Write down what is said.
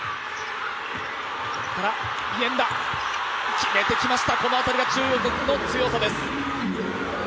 決めてきました、このあたりが中国の強さです。